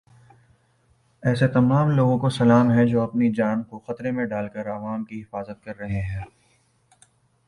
ایسے تمام لوگوں کو سلام ہے جو اپنی جان کو خطرے میں ڈال کر عوام کی حفاظت کر رہے ہیں۔